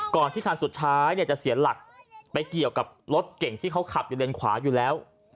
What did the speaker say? ก่อนที่คันสุดท้ายจะเสียหลักไปเกี่ยวกับรถเก่งที่เขาขับอยู่เลนขวาอยู่แล้ว